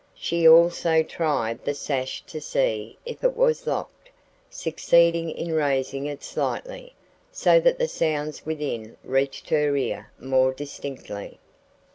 She also tried the sash to see if it was locked, succeeding in raising it slightly, so that the sounds within reached her ear more distinctly.